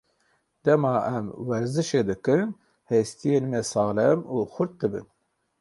Dema em werzîşê dikin, hestiyên me saxlem û xurt dibin.